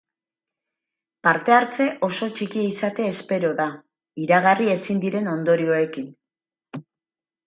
Parte-hartze oso txikia izatea espero da, iragarri ezin diren ondorioekin.